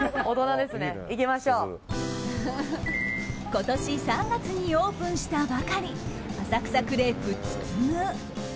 今年３月にオープンしたばかり浅草クレープつつむ。